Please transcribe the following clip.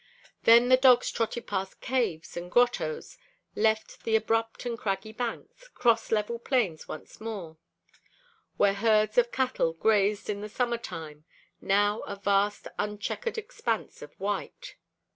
Then the dogs trotted past caves and grottos, left the abrupt and craggy banks, crossed level plains once more; where herds of cattle grazed in the summertime, now a vast uncheckered expanse of white.